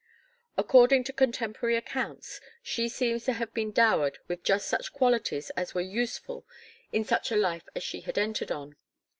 According to contemporary accounts she seems to have been dowered with just such qualities as were useful in such a life as she had entered on.